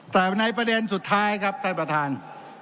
แต่ในประเด็นสุดท้ายครับท่านประธาน